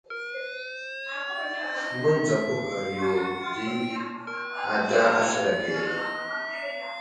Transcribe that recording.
Mənzako ghar yo di ada aslər age.